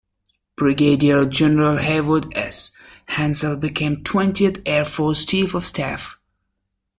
Brigadier General Haywood S. Hansell became Twentieth Air Force chief of staff.